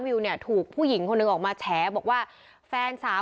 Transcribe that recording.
วิวเนี่ยถูกผู้หญิงคนหนึ่งออกมาแฉบอกว่าแฟนสาว